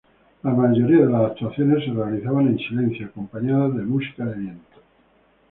La mayoría de las actuaciones se realizaban en silencio acompañadas de música de viento.